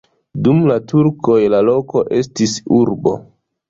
Dum la turkoj la loko estis urbo.